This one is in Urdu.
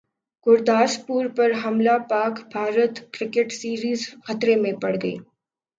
گورداسپور پر حملہ پاک بھارت کرکٹ سیریز خطرے میں پڑگئی